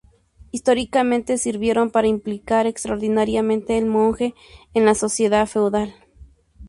Históricamente sirvieron para implicar extraordinariamente al monje en la sociedad feudal.